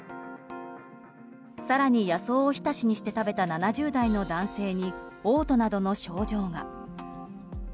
更に、野草おひたしにして食べた７０代の男性に嘔吐などの症状が。